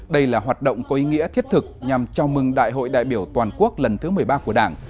đây là hoạt động có ý nghĩa thiết thực nhằm chào mừng đại hội đại biểu toàn quốc lần thứ một mươi ba của đảng